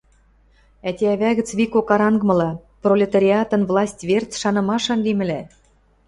ӓтя-ӓвӓ гӹц викок карангмыла, пролетариатын власть верц шанымашан лимӹлӓ.